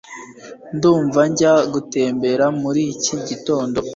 ndumva njya gutembera muri iki gitondo